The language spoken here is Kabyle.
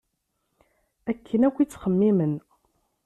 Akken akk i ttxemmimen.